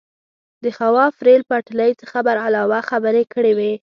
د خواف ریل پټلۍ څخه برعلاوه خبرې کړې وای.